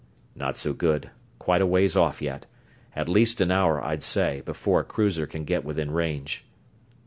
"Not so good. Quite a ways off yet. At least an hour, I'd say, before a cruiser can get within range."